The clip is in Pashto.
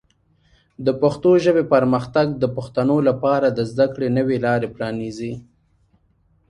د پښتو ژبې پرمختګ د پښتنو لپاره د زده کړې نوې لارې پرانیزي.